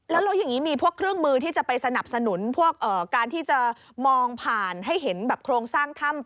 แล้วอย่างนี้มีพวกเครื่องมือที่จะไปสนับสนุนพวกการที่จะมองผ่านให้เห็นแบบโครงสร้างถ้ำ